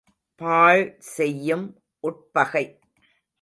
பாழ் செய்யும் உட்பகை!